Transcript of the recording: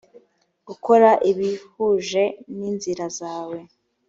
gukora ibihuje n inzira zawe